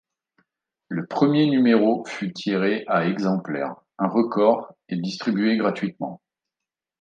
Le premier numéro fut tiré à exemplaires, un record, et distribué gratuitement.